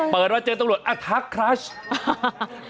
เปิดว่าเจ้าตัวโรยอาทักครัช